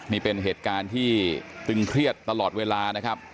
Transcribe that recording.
นี่เป็นเหตุการณ์ที่ตึงเครียดตลอดเวลานะครับ